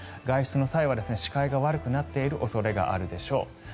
外出の際は視界が悪くなっている恐れがあるでしょう。